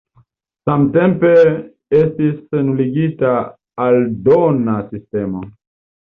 Samtempe estis nuligita aldona sistemo.